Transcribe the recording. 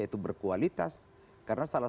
itu berkualitas karena salah